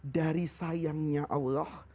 dari sayangnya allah